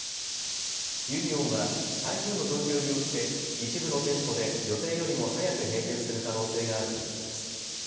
ユニオンは台風の状況によって一部の店舗で予定よりも早く閉店する可能性があるということです。